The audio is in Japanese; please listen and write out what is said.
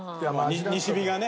西日がね。